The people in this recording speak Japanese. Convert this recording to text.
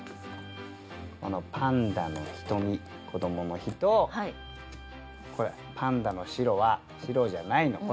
この「パンダの眸こどもの日」とこれ「パンダのしろは白ぢやない」の。